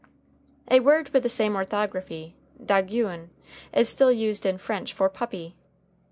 A word with the same orthography, doguin, is still used in French for puppy.